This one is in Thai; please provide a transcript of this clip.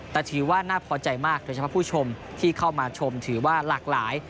แต่ถือว่าน่าพอใจมากโดยเฉพาะผู้ชมที่เข้ามาชมถือว่าหลากหลาย